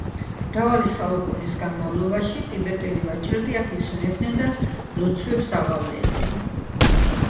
მრავალი საუკუნის განმავლობაში, ტიბეტელი ვაჭრები აქ ისვენებდნენ და ლოცვებს აღავლენდნენ.